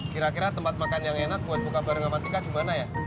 kira kira tempat makan yang enak buat buka bareng sama tika gimana ya